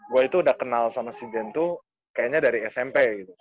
gue itu udah kenal sama si jin tuh kayaknya dari smp gitu